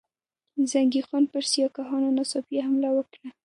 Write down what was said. زنګي خان پر سیکهانو ناڅاپي حمله وکړه.